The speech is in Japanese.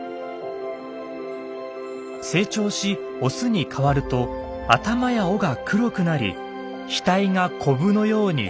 成長しオスに変わると頭や尾が黒くなり額がコブのように突き出します。